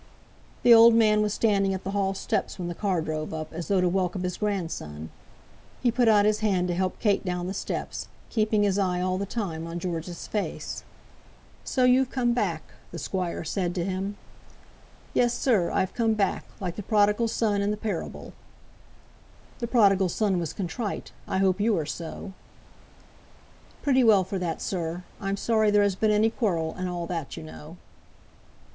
The old man was standing at the hall steps when the car drove up, as though to welcome his grandson. He put out his hand to help Kate down the steps, keeping his eye all the time on George's face. "So you've come back," the squire said to him. [Illustration: "So you've come back, have you?" said the Squire.] "Yes, sir; I've come back, like the prodigal son in the parable." "The prodigal son was contrite. I hope you are so." "Pretty well for that, sir. I'm sorry there has been any quarrel, and all that, you know."